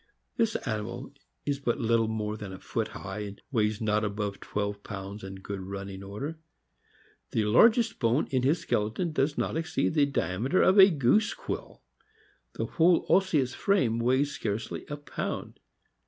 This animal is but little more 198 THE AMERICAN BOOK OF THE DOG. than a foot high, and weighs not above twelve pounds in good running order. The largest bone in his skeleton does not exceed the diameter of a goose quill. The whole osseous frame weighs scarcely a pound.